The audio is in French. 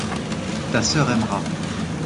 Ta sœur aimera.